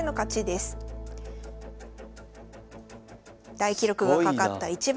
大記録がかかった一番。